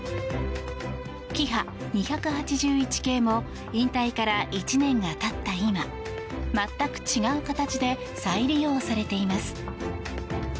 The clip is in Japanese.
キハ２８１系も引退から１年が経った今全く違う形で再利用されています。